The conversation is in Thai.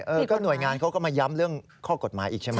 หน่วยงานเขาก็มาย้ำเรื่องข้อกฎหมายอีกใช่ไหม